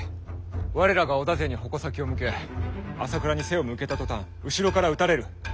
我らが織田勢に矛先を向け朝倉に背を向けた途端後ろから討たれる。